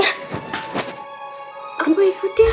apa itu dia